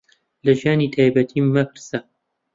لە ژیانی تایبەتیم مەپرسە.